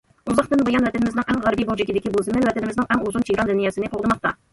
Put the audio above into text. ئۇزاقتىن بۇيان، ۋەتىنىمىزنىڭ ئەڭ غەربىي بۇرجىكىدىكى بۇ زېمىن ۋەتىنىمىزنىڭ ئەڭ ئۇزۇن چېگرا لىنىيەسىنى قوغدىماقتا.